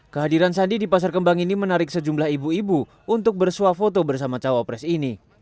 kehadiran sandi di pasar kembang ini menarik sejumlah ibu ibu untuk bersuah foto bersama cawapres ini